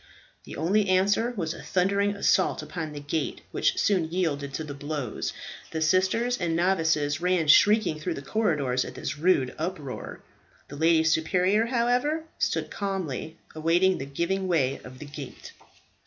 The only answer was a thundering assault upon the gate, which soon yielded to the blows. The sisters and novices ran shrieking through the corridors at this rude uproar. The lady superior, however, stood calmly awaiting the giving way of the gate.